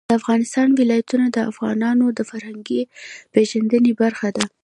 د افغانستان ولايتونه د افغانانو د فرهنګي پیژندنې برخه ده.